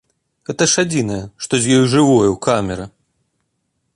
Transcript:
Гэта ж адзінае, што з ёю жывое ў камеры!